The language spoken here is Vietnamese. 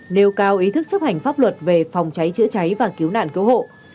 nêu cao ý thức chấp hành pháp luật về phòng cháy chữa cháy và cứu nạn cứu hộ